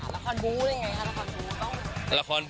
ละครบูลได้ยังไงค่ะละครบูลต้อง